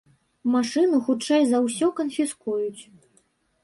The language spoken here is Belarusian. Машыну хутчэй за ўсё канфіскуюць.